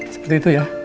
seperti itu ya